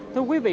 thưa quý vị